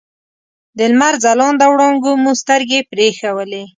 د لمر ځلانده وړانګو مو سترګې برېښولې.